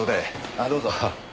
ああどうぞ。